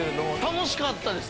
楽しかったです